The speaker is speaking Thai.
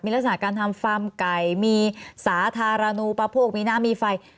ลักษณะการทำฟาร์มไก่มีสาธารณูประโภคมีน้ำมีไฟ